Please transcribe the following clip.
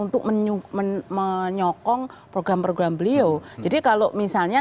tetap salahnya presidennya